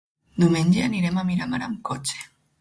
Diumenge anirem a Miramar amb cotxe.